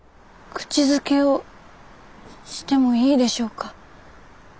口づけをしてもいいでしょうか。